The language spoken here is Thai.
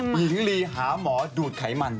ตอนนี้หาหมอดูดไขมัน